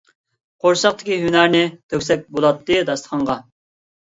قورساقتىكى ھۈنەرنى تۆكسەك بولاتتى داستىخانغا.